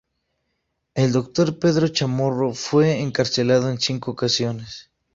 El doctor Pedro Chamorro fue encarcelado en cinco ocasiones.